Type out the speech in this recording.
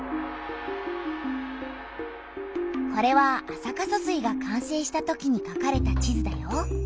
これは安積疏水が完成したときにかかれた地図だよ。